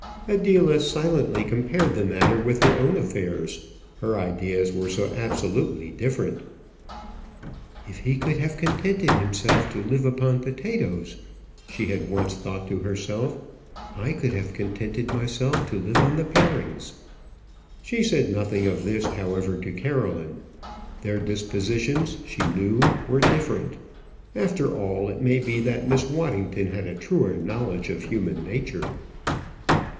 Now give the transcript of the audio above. Adela silently compared the matter with her own affairs: her ideas were so absolutely different. "If he could have contented himself to live upon potatoes," she had once thought to herself, "I could have contented myself to live on the parings." She said nothing of this however to Caroline. Their dispositions she knew were different. After all, it may be that Miss Waddington had a truer knowledge of human nature.